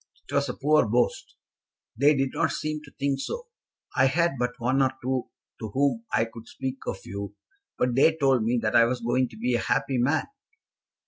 "It was a poor boast." "They did not seem to think so. I had but one or two to whom I could speak of you, but they told me that I was going to be a happy man.